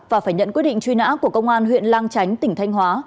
và phải nhận quyết định truy nã của công an huyện lang chánh tỉnh thanh hóa